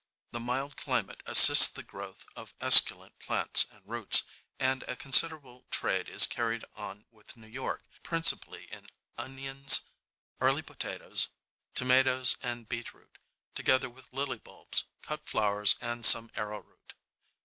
The mild climate assists the growth of esculent plants and roots; and a considerable trade is carried on with New York, principally in onions, early potatoes, tomatoes, and beetroot, together with lily bulbs, cut flowers and some arrowroot.